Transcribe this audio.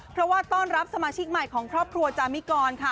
เพราะว่าต้อนรับสมาชิกใหม่ของครอบครัวจามิกรค่ะ